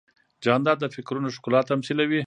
جانداد د فکرونو ښکلا تمثیلوي.